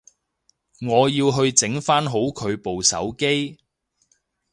我要去整返好佢部手機